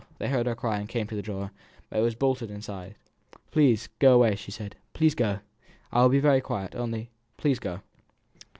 They heard her cry, and came to the door, but it was bolted inside. "Please, go away," she said; "please, go. I will be very quiet; only, please, go."